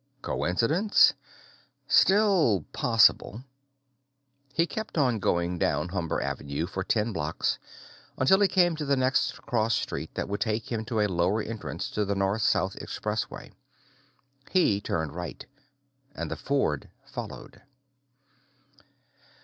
Coincidence? Still possible. He kept on going down Humber Avenue for ten blocks, until he came to the next cross street that would take him to a lower entrance to the North South Expressway. He turned right, and the Ford followed.